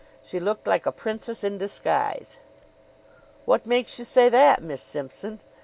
She looked like a princess in disguise. "What makes you say that, Miss Simpson?"